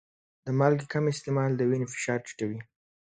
د مالګې کم استعمال د وینې فشار ټیټوي.